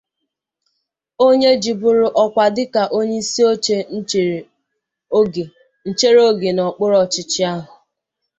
onye jibụrụ ọkwa dịka onyeisioche nchere oge n'okpuru ọchịchị ahụ